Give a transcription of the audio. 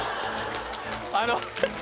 あの。